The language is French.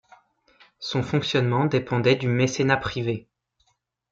Son fonctionnement dépendait du mécénat privé.